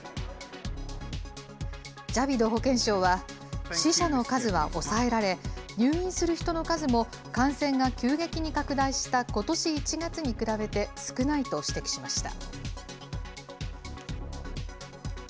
ジャビド保健相は、死者の数は抑えられ、入院する人の数も感染が急激に拡大したことし１月に比べて少ないと指摘しました。